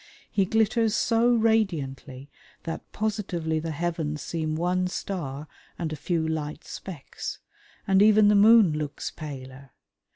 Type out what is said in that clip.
He glitters so radiantly that positively the heavens seem one star and a few light specks, and even the moon looks paler.